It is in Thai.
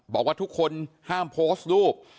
บอกว่าทุกคนห้ามโพสต์รูป